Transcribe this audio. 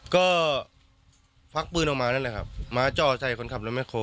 ก็ควักปืนออกมานั่นแหละครับมาจ่อใส่คนขับรถแคล